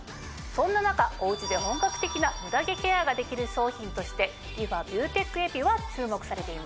そんな中お家で本格的なムダ毛ケアができる商品としてリファビューテックエピは注目されています。